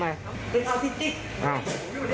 เอาข้างในนี้